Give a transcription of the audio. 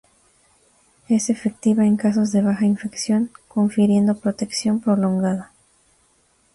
Es efectiva en casos de baja infección confiriendo protección prolongada.